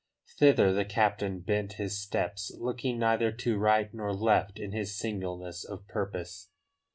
Thither the captain bent his steps, looking neither to right nor left in his singleness of purpose.